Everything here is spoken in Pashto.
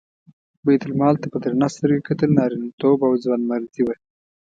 بیت المال ته په درنه سترګه کتل نارینتوب او ځوانمردي وه.